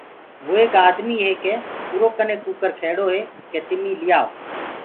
وهآن ايڪ آدمي هي ڪي اُرو ڪني ڪٚڪَر کيڙو هي ڪي تمي لِيآئو۔